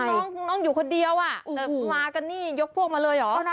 แล้วน้องคุณน้องอยู่คนเดียวอ่ะมากันนี่ยกพวกมาเลยเหรอ